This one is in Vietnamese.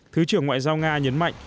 thứ trưởng ngoại giao nga nhấn mạnh